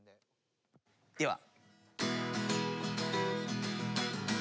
では。